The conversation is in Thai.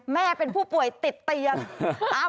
แม่เป็นผู้ป่วยติดเตียง